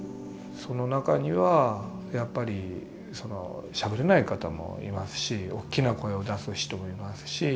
その中にはやっぱりそのしゃべれない方もいますしおっきな声を出す人もいますし。